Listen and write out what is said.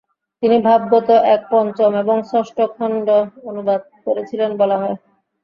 তিনি ভাগবত এর পঞ্চম এবং ষষ্ঠ খণ্ড অনুবাদ করেছিলেন বলা হয়।